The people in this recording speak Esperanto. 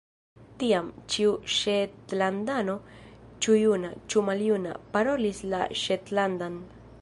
Tiam, ĉiu ŝetlandano, ĉu juna, ĉu maljuna, parolis la ŝetlandan.